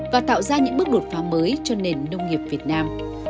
và tạo ra những bước đột phá mới cho nền nông nghiệp việt nam